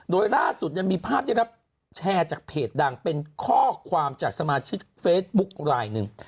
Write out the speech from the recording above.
โดยล่าสุดยังมีภาพได้รับแชร์จากเพจดังเป็นข้อความจากสมาชิกเฟซบุ๊กรายหนึ่ง